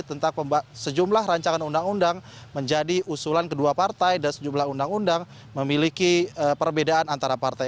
tentang sejumlah rancangan undang undang menjadi usulan kedua partai dan sejumlah undang undang memiliki perbedaan antara partai